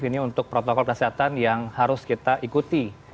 ini untuk protokol kesehatan yang harus kita ikuti